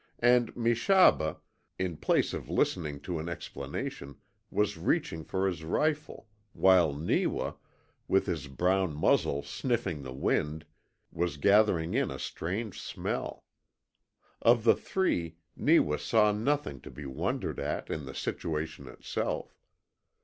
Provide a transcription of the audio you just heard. And Meshaba, in place of listening to an explanation, was reaching for his rifle while Neewa, with his brown muzzle sniffing the wind, was gathering in a strange smell. Of the three, Neewa saw nothing to be wondered at in the situation itself.